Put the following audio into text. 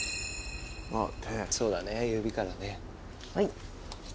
あっそうだね指からね。